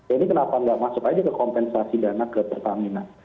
ini kenapa nggak masuk aja ke kompensasi dana ke pertamina